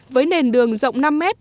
với nền đường rộng năm m